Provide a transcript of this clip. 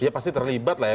ya pasti terlibat lah ya